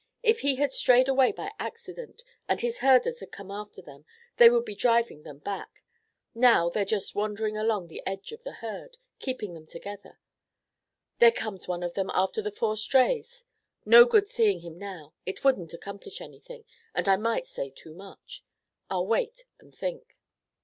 If they had strayed away by accident and his herders had come after them, they would be driving them back. Now they're just wandering along the edge of the herd, keeping them together. There comes one of them after the four strays. No good seeing him now. It wouldn't accomplish anything, and I might say too much. I'll wait and think."